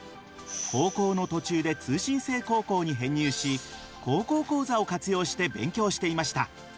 高校の途中で通信制高校に編入し高校講座を活用して勉強していました。